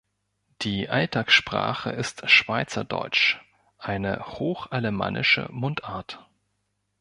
Die Alltagssprache ist Schweizerdeutsch, eine hochalemannische Mundart.